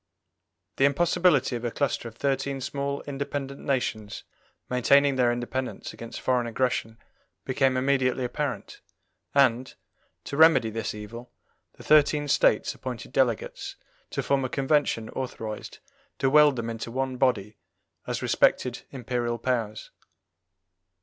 The impossibility of a cluster of thirteen small independent nations maintaining their independence against foreign aggression became immediately apparent, and, to remedy this evil, the thirteen States appointed delegates to form a convention authorized to weld them into one body as respected Imperial powers.